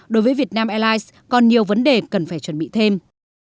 đối với vietnam airlines còn nhiều vấn đề cần phải chuẩn bị thêm